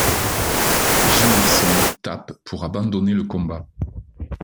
Jimmerson tape pour abandonner le combat.